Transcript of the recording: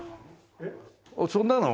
そんなの。